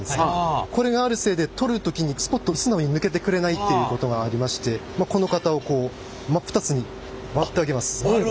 これがあるせいで取る時にスポッと素直に抜けてくれないということがありましてこの型を割る！